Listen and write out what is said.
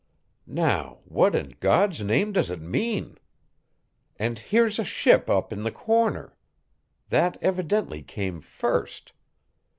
Now what in God's name does it mean? And here's a ship up in the corner. That evidently came first.